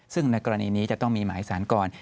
ซึ่งในกรณีนี้จะต้องมีหมายสารก่อน